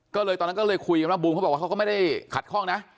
ก็เลยตอนนั้นก็เลยคุยกันว่าบูมเขาบอกว่าเขาก็ไม่ได้ขัดข้องนะ